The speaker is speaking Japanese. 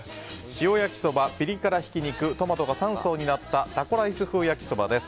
塩焼きそば、ピリ辛ひき肉トマトが３層になったタコライス風焼きそばです。